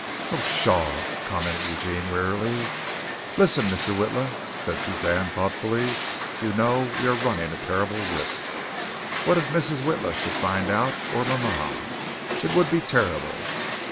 "Oh, Pshaw!" commented Eugene wearily. "Listen, Mr. Witla," said Suzanne thoughtfully. "You know we are running a terrible risk. What if Mrs. Witla should find out, or mama? It would be terrible."